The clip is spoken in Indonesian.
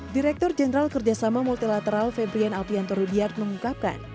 direktur jenderal kerjasama multilateral febrian alpianto rudyat mengungkapkan